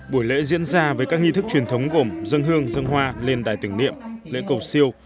buổi lễ diễn ra với các nghi thức truyền thống gồm dân hương dân hoa lên đài tưởng niệm lễ cầu siêu